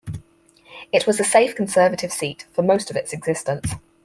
It was a safe Conservative seat for most of its existence.